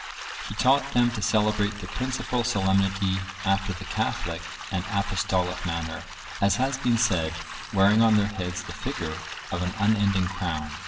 (991) He taught them to celebrate the principal solemnity after the catholic and apostolic manner, as has been said, wearing on their heads the figure of an unending crown.